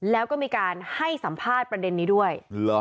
แล้วก็มีการให้สัมภาษณ์ประเด็นนี้ด้วย